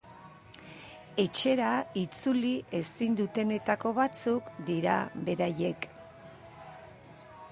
Etxera itzuli ezin dutenetako batzuk dira beraiek.